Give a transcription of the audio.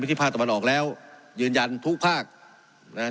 พฤษภาษาบันออกแล้วยืนยันทุกภาคนะฮะ